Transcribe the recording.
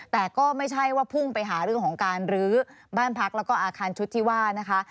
แต่ก็ไม่ใช่ว่าพุ่งไปหาเรื่องของการรื้อบ้านพักแล้วก็อาคารชุดที่ว่านะคะ